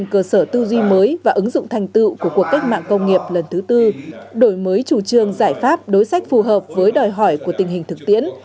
cơ sở tư duy mới và ứng dụng thành tựu của cuộc cách mạng công nghiệp lần thứ tư đổi mới chủ trương giải pháp đối sách phù hợp với đòi hỏi của tình hình thực tiễn